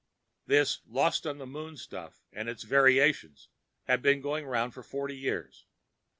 This "lost on the moon" stuff and its variations had been going the rounds for forty years.